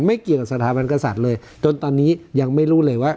ไม่เกี่ยวกับสถาบันกษัตริย์เลยจนตอนนี้ยังไม่รู้เลยว่า